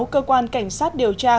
cơ quan cảnh sát điều tra